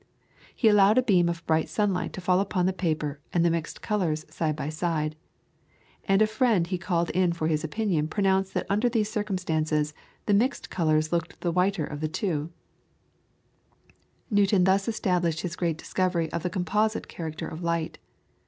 He allowed a beam of bright sunlight to fall upon the paper and the mixed colours side by side, and a friend he called in for his opinion pronounced that under these circumstances the mixed colours looked the whiter of the two. By repeated demonstrations Newton thus established his great discovery of the composite character of light.